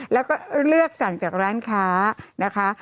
แล้วก็เลือกสั่งจากร้านค้านะคะ